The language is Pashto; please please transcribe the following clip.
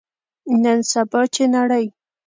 نن سبا، چې نړۍ